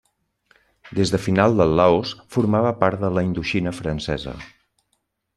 Des de finals del Laos formava part de la Indoxina francesa.